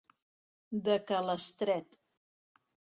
De ca l'Estret.